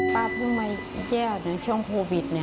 ปลาพ่อพึ่งมาแจ้วอยู่ช่องโภวิต